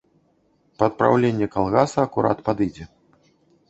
Пад праўленне калгаса акурат падыдзе.